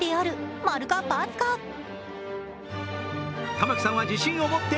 玉木さんは自信を持って○。